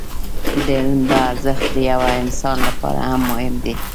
د علم دا ارزښت د يوه انسان لپاره هم مهم دی.